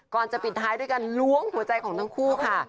ก่อนจะปิดท้ายด้วยการล้วงหัวใจของทั้งคู่ค่ะ